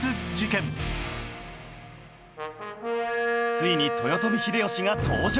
ついに豊臣秀吉が登場